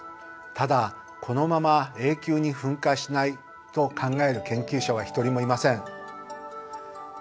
ただこのまま永久に噴火しないと考える研究者は１人もいません。